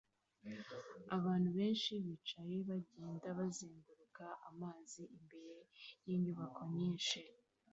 Abantu benshi bicaye bagenda bazenguruka amazi imbere yinyubako nyinshi